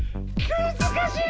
むずかしい。